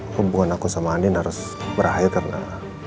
hubungan aku sama andin harus berakhir karena